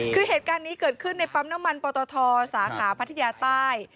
คือเหตุการณ์นี้เกิดขึ้นในปั๊มน้ำมันปตทสาขาพัทยาใต้